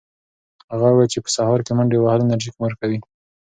هغه وویل چې په سهار کې منډې وهل انرژي ورکوي.